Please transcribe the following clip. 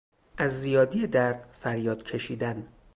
از زیادی درد فریاد کشیدن